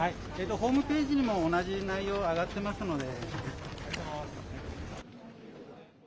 ホームページにも同じ内容、上がってますので。